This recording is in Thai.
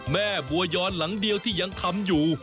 แม่บัวยอนหลังเดียวที่ยังทำอยู่